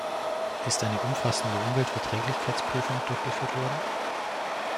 Ist eine umfassende Umweltverträglichkeitsprüfung durchgeführt worden?